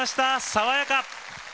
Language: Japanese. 爽やか。